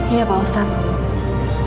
iya pak ustadz